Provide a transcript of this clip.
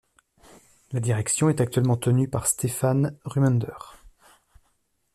La direction est actuellement tenue par Stefan Rumander.